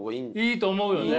いいと思うよね。